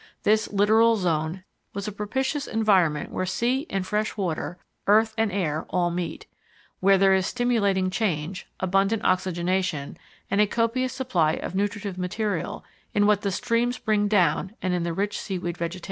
This littoral zone was a propitious environment where sea and fresh water, earth and air all meet, where there is stimulating change, abundant oxygenation and a copious supply of nutritive material in what the streams bring down and in the rich seaweed vegetation.